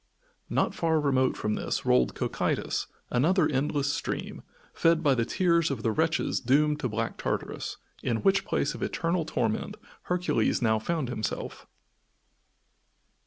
Not far remote from this rolled Cocytus, another endless stream, fed by the tears of the wretches doomed to Black Tartarus, in which place of eternal torment Hercules now found himself.